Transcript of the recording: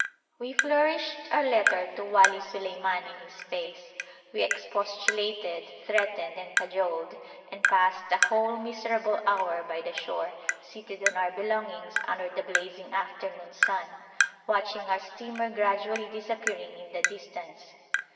We flourished our letter to Wali Suleiman in his face; we expostulated, threatened, and cajoled, and passed a whole miserable hour by the shore, seated on our belongings under the blazing afternoon sun, watching our steamer gradually disappearing in the distance.